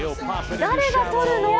誰がとるの？